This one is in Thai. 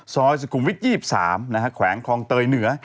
ศศกุมวิทย์๒๓แขวงคลองเตยเหนือ